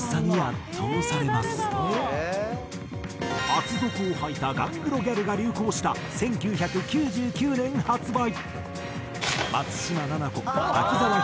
厚底を履いたガングロギャルが流行した１９９９年発売。